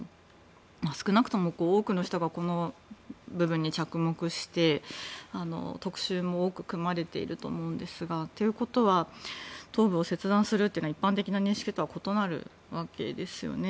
少なくとも多くの人がこの部分に着目して特集も多く組まれていると思うんですがということは頭部を切断するというのは一般的な認識とは異なるわけですよね。